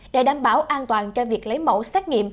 để đảm bảo an toàn cho việc lấy mẫu xét nghiệm